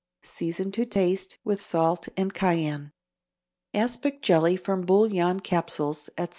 Season to taste with salt and cayenne. =Aspic Jelly from Bouillon Capsules, Etc.